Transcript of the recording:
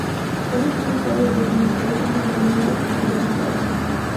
Este es un listado de los principales enfrentamientos y su resultado.